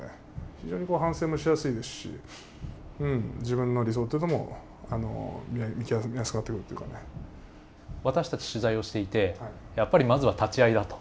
非常に反省もしやすいですし私たち取材をしていてやっぱりまずは立ち合いだと。